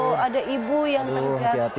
oh ada ibu yang kerja